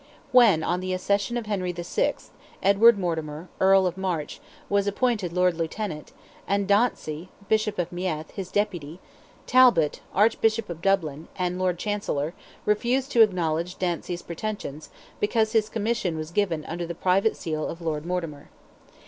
When on the accession of Henry VI., Edward Mortimer, Earl of March, was appointed Lord Lieutenant, and Dantsey, Bishop of Meath, his deputy, Talbot, Archbishop of Dublin, and Lord Chancellor, refused to acknowledge Dantsey's pretensions because his commission was given under the private seal of Lord Mortimer.